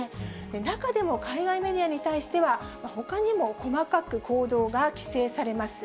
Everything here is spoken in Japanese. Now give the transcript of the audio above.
中でも、海外メディアに対しては、ほかにも細かく行動が規制されます。